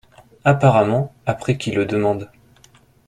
Apparemment après qui le demande !